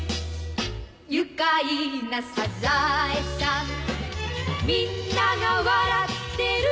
「愉快なサザエさん」「みんなが笑ってる」